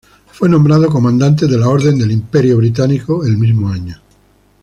Fue nombrado Comandante de la Orden del Imperio Británico el mismo año.